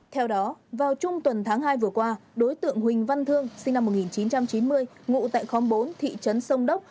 theo đó vào trung tuần tháng hai vừa qua đối tượng huỳnh văn thương sinh năm một nghìn chín trăm chín mươi ngụ tại khóm bốn thị trấn sông đốc